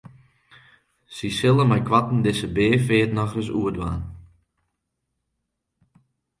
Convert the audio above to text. Sy sille meikoarten dizze beafeart nochris oerdwaan.